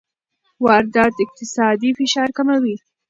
واردات اقتصادي فشار کموي.